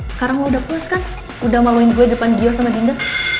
sekarang gue udah puas kan udah maluin gue depan gio sama dinda